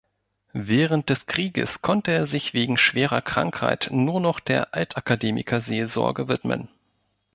Während des Krieges konnte er sich wegen schwerer Krankheit nur noch der Altakademiker-Seelsorge widmen.